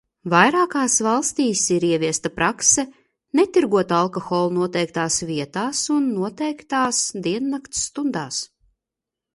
Vairākās valstīs ir ieviesta prakse netirgot alkoholu noteiktās vietās un noteiktās diennakts stundās.